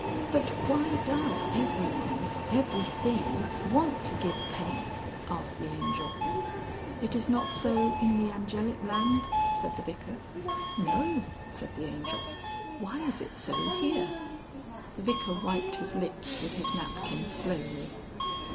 "But why does everyone everything want to give pain?" asked the Angel. "It is not so in the Angelic Land?" said the Vicar. "No," said the Angel. "Why is it so here?" The Vicar wiped his lips with his napkin slowly.